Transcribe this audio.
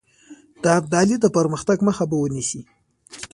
د ابدالي د پرمختګ مخه به ونیسي.